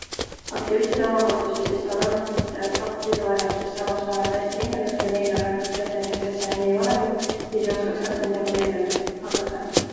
Aktivistid omakorda süüdistavad ametnikke faktide varjamises, samas ma olen täiesti kindel, et kui neile ka antaks kätte näiteks SMI valemid, siis ei oskaks nad nendega midagi pihta hakata.